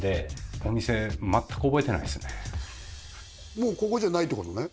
もうここじゃないってことね？